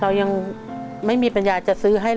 เรายังไม่มีปัญญาจะซื้อให้เลย